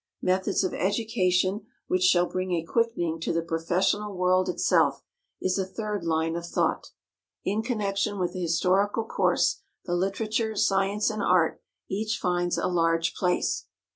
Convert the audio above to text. Methods of education which shall bring a quickening to the professional world itself is a third line of thought. In connection with the historical course, the literature, science and art each finds a large place.